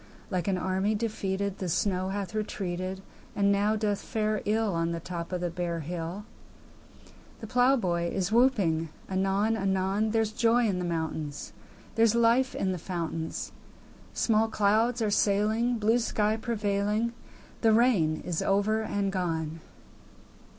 Like an army defeated The snow hath retreated, And now doth fare ill On the top of the bare hill; The plowboy is whooping anon anon: There's joy in the mountains; There's life in the fountains; Small clouds are sailing, Blue sky prevailing; The rain is over and gone!